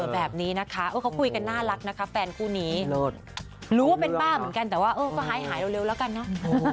แบบนี้นะคะเขาคุยกันน่ารักนะคะแฟนคู่นี้รู้ว่าเป็นบ้าเหมือนกันแต่ว่าเออก็หายเร็วแล้วกันนะ